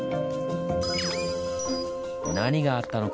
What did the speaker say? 何があったのか？